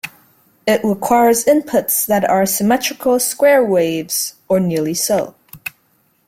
It requires inputs that are symmetrical square waves, or nearly so.